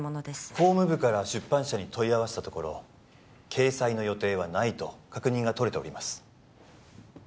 法務部から出版社に問い合わせたところ掲載の予定はないと確認が取れております